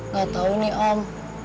nggak tahu nih om